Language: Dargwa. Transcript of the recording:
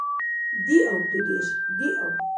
Диаб, дудеш, диаб!